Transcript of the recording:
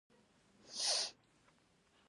د سپین ږیرو خبره د کاڼي کرښه ده.